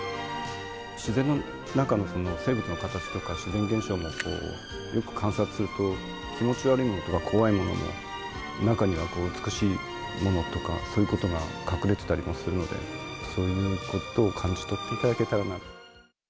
自然の中の生物の形とか自然現象もよく観察すると気持ち悪いものとか怖いものも、中には美しいものとか、そういうことが隠れてたりもするので、そういうことを感じ取っていただけたらなと。